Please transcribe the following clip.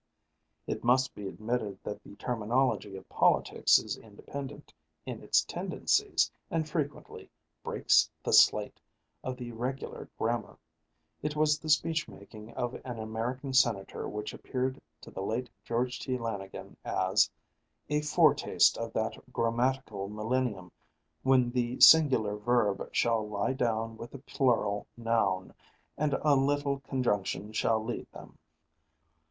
It must be admitted that the terminology of politics is independent in its tendencies, and frequently "breaks the slate" of the regular grammar. It was the speech making of an American Senator which appeared to the late George T. Lanigan as "a foretaste of that grammatical millennium when the singular verb shall lie down with the plural noun, and a little conjunction shall lead them."